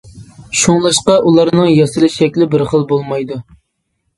شۇڭلاشقا ئۇلارنىڭ ياسىلىش شەكلى بىر خىل بولمايدۇ.